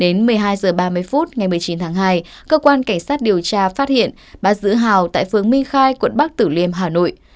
đến một mươi hai h ba mươi phút ngày một mươi chín tháng hai cơ quan cảnh sát điều tra phát hiện bắt giữ hào tại phường minh khai quận bắc tử liêm hà nội